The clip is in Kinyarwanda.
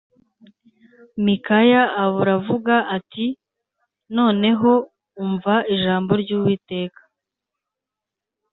Mikaya aravuga ati “Noneho umva ijambo ry’Uwiteka